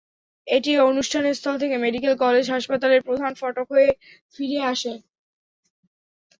এটি অনুষ্ঠানস্থল থেকে medical college হাসপাতালের প্রধান ফটক হয়ে ফিরে আসে।